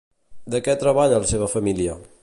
De què treballa la seva família?